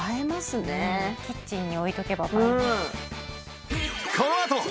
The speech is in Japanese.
キッチンに置いとけば映えます。